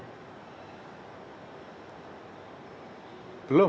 belum belum mbak belum